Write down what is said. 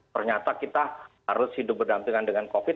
ternyata kita harus hidup berdampingan dengan covid sembilan belas